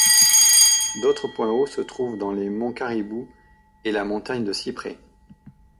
D'autres points hauts se trouvent dans les monts Caribou et la montagne de Cyprès.